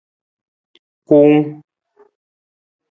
Kuung.